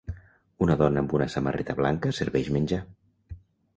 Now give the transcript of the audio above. Una dona amb una samarreta blanca serveix menjar.